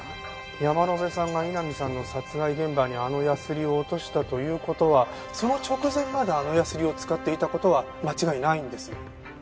山野辺さんが井波さんの殺害現場にあのヤスリを落としたという事はその直前まであのヤスリを使っていた事は間違いないんです。